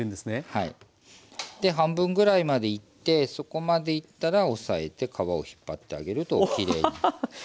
で半分ぐらいまでいってそこまでいったら押さえて皮を引っ張ってあげるときれいに。うわっハハハ。